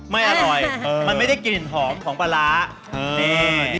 ไม่อร่อยมันไม่ได้กลิ่นหอมของปลาร้านี่